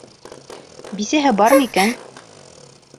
Бисәһе бармы икән?